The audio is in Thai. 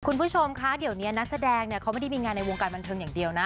คุณผู้ชมคะเดี๋ยวนี้นักแสดงเนี่ยเขาไม่ได้มีงานในวงการบันเทิงอย่างเดียวนะ